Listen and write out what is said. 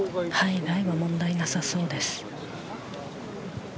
ライは問題なさそうです。